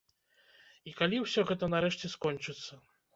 І калі ўсё гэта нарэшце скончыцца?